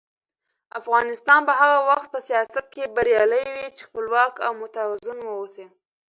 افغانستان به هغه وخت په سیاست کې بریالی وي چې خپلواک او متوازن واوسي.